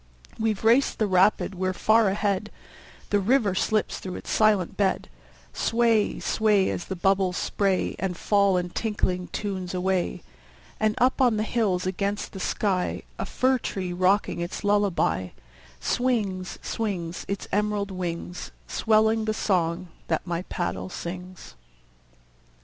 We've raced the rapid, we're far ahead! The river slips through its silent bed. Sway, sway, As the bubbles spray And fall in tinkling tunes away. And up on the hills against the sky, A fir tree rocking its lullaby, Swings, swings, Its emerald wings, Swelling the song that my paddle sings.